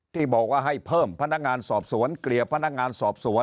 ที่บอกว่าให้เพิ่มพนักงานสอบสวนเกลี่ยพนักงานสอบสวน